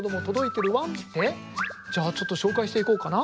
じゃあちょっと紹介していこうかな。